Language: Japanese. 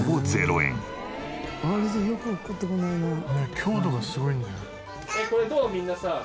強度がすごいんだよ。